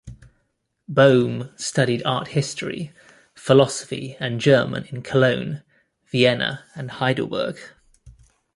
Boehm studied art history, philosophy and German in Cologne, Vienna and Heidelberg.